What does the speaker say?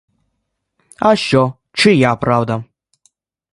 А що, чия правда?